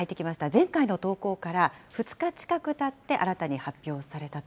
前回の投稿から２日近くたって新たに発表されたと。